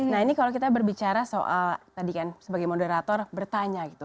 nah ini kalau kita berbicara soal tadi kan sebagai moderator bertanya gitu